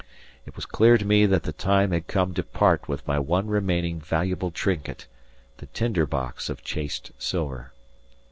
It was clear to me that the time had come to part with my one remaining valuable trinket the tinder box of chased silver.